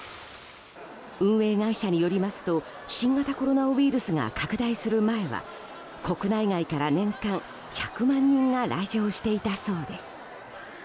運営会社によりますと新型コロナウイルスが拡大する前は国内外から年間１００万人が来場していたそうです。